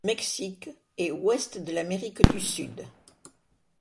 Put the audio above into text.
Mexique, et Ouest de l'Amérique du sud.